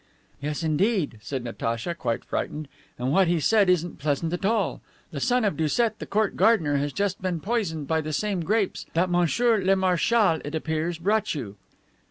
"Yes, indeed," said Natacha, quite frightened, "and what he said isn't pleasant at all. The son of Doucet, the court gardener, has just been poisoned by the same grapes that monsieur le marschal, it appears, brought you."